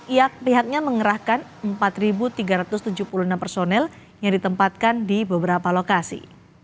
pihaknya mengerahkan empat tiga ratus tujuh puluh enam personel yang ditempatkan di beberapa lokasi